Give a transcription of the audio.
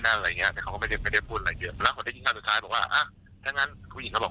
แล้วเขาก็ไม่ได้ไม่ได้พูดว่ามันสุดท้ายเพราะว่าอ่ะ